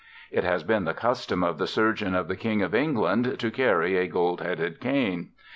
It has been the custom of the Surgeon of the King of England to carry a "Gold Headed Cane."